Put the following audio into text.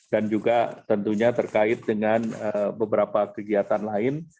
dan juga tentunya terkait dengan beberapa kegiatan lain